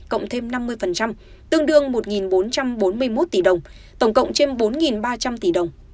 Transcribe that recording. cộng thêm năm mươi tương đương một bốn trăm bốn mươi một tỷ đồng tổng cộng trên bốn ba trăm linh tỷ đồng